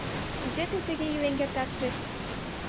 Кузе тый тыге илен кертатше?